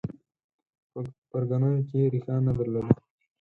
په پرګنو کې ریښه نه درلوده